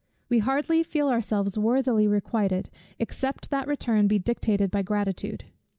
We hardly feel ourselves worthily requited, except that return be dictated by gratitude.